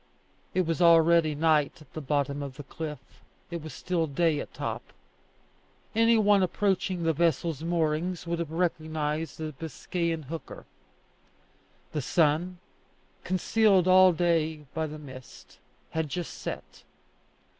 It was already night at the bottom of the cliff; it was still day at top. Any one approaching the vessel's moorings would have recognized a Biscayan hooker. The sun, concealed all day by the mist, had just set.